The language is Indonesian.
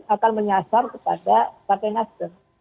akan menyasar kepada pak tengasem